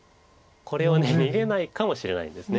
これは逃げないかもしれないんです。